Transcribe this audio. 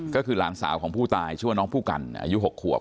ก็คือหลานสาวของผู้ตายชื่อว่าน้องผู้กันอายุ๖ขวบ